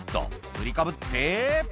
「振りかぶって」